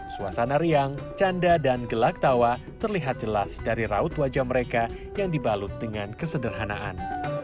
suasana riang canda dan gelak tawa terlihat jelas dari raut wajah mereka yang dibalut dengan kesederhanaan